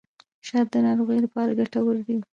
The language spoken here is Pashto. شات د ناروغیو لپاره ګټور دي.